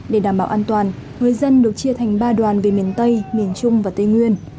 để đảm bảo an toàn người dân được chia thành ba đoàn về miền tây miền trung và tây nguyên